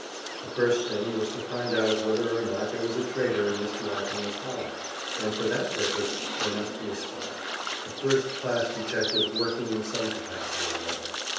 The first thing was to find out whether or not there was a traitor in Mr. Ackerman's home, and for that purpose there must be a spy, a first class detective working in some capacity or other.